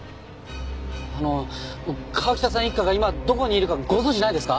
あの川喜多さん一家が今どこにいるかご存じないですか？